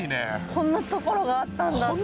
こんな所があったんだっていう。